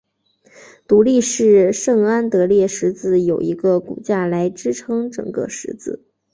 独立式圣安得烈十字有一个骨架来支撑整个十字。